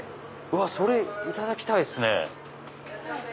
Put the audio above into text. それいただきたいっすね。